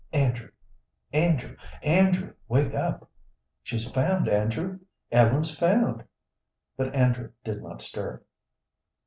Andrew, Andrew, Andrew, wake up! She's found, Andrew; Ellen's found." But Andrew did not stir.